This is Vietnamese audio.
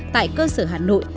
tại cơ sở hà nội